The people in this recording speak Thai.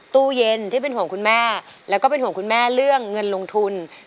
ตู้เย็นที่เป็นห่วงคุณแม่แล้วก็เป็นห่วงคุณแม่เรื่องเงินลงทุน